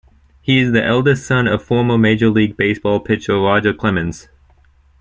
He is the eldest son of former Major League Baseball pitcher Roger Clemens.